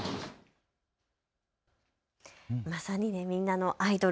まさにみんなのアイドル、